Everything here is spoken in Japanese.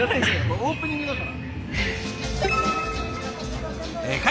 オープニングだから。